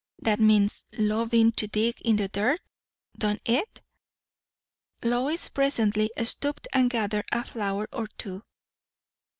That means, loving to dig in the dirt, don't it?" Lois presently stooped and gathered a flower or two.